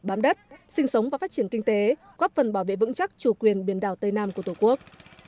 bám đất sinh sống và phát triển kinh tế góp phần bảo vệ vững chắc chủ quyền biển đảo tây nam của tổ quốc